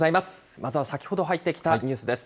まずは先ほど入ってきたニュースです。